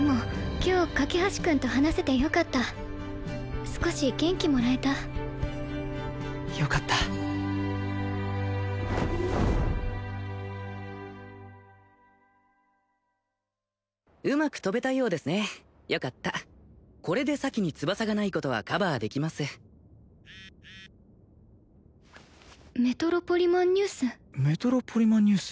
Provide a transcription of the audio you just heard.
今日架橋君と話せてよかった少し元気もらえたよかったうまく飛べたようですねよかったこれで咲に翼がないことはカバーできますメトロポリマンニュースメトロポリマンニュース？